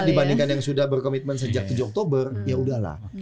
dibandingkan yang sudah berkomitmen sejak tujuh oktober ya udahlah